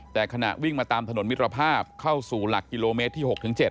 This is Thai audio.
แต่ขณะวิ่งมาตามถนนมิตรภาพเข้าสู่หลักกิโลเมตรที่๖๗